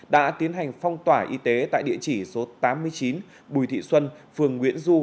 đã tiến hành phong tỏa y tế tại địa chỉ số tám mươi chín bùi thị xuân phường nguyễn du